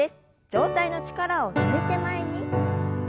上体の力を抜いて前に。